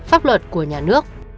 pháp luật của nhà nước